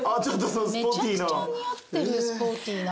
めちゃくちゃ似合ってるスポーティーな。